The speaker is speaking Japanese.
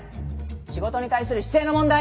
仕事に対する姿勢の問題。